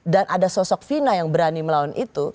dan ada sosok vina yang berani melawan itu